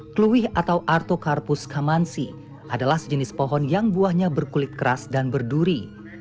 kluih atau arthocarpus camansi adalah sejenis pohon yang buahnya berkulit keras dan berduri